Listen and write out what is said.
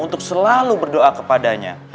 untuk selalu berdoa kepadanya